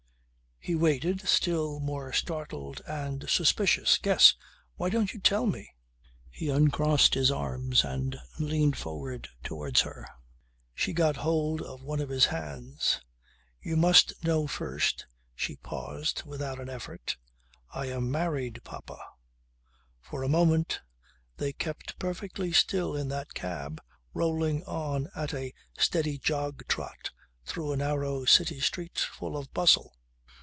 He waited, still more startled and suspicious. "Guess! Why don't you tell me?" He uncrossed his arms and leaned forward towards her. She got hold of one of his hands. "You must know first ..." She paused, made an effort: "I am married, papa." For a moment they kept perfectly still in that cab rolling on at a steady jog trot through a narrow city street full of bustle.